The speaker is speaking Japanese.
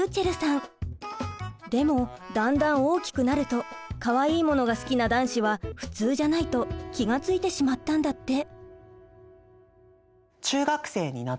でもだんだん大きくなると「かわいいものが好きな男子は普通じゃない」と気が付いてしまったんだって。